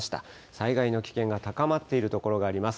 災害の危険が高まっている所があります。